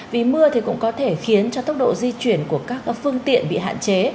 vì mưa thì cũng có thể khiến cho tốc độ di chuyển của các phương tiện bị hạn chế